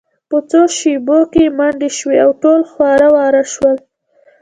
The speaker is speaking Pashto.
په څو شیبو کې منډې شوې او ټول خواره واره شول